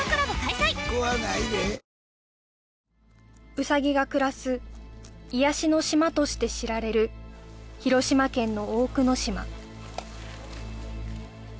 ウサギが暮らす癒やしの島として知られる広島県の大久野島